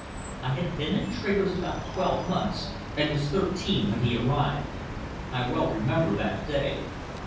I had been at Trigger's about twelve months and was thirteen when he arrived. I well remember that day.